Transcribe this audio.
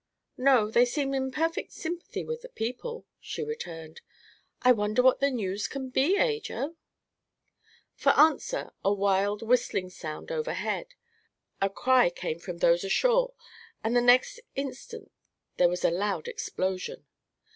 "No; they seem in perfect sympathy with the people," she returned. "I wonder what the news can be, Ajo." For answer a wild whistling sounded overhead; a cry came from those ashore and the next instant there was a loud explosion.